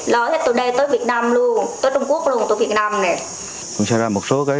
lỡ hết từ đây tới việt nam luôn tới trung quốc luôn tới việt nam này